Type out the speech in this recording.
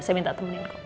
saya minta temanin kok